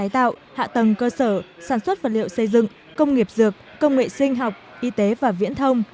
hạ tầng cơ sở sản xuất vật liệu xây dựng công nghiệp dược công nghệ sinh học y tế và viễn thông